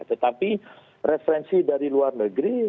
tetapi referensi dari luar negeri